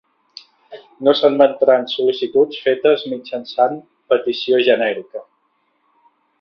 No s'admetran sol·licituds fetes mitjançant petició genèrica.